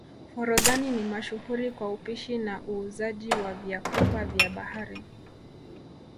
forodhani ni mashuhuri kwa upishi na uuzaji wa vyakupa vya bahari